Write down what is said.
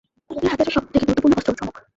আমাদের হাতে আছে সবথেকে গুরুত্বপূর্ণ অস্ত্র, চমক।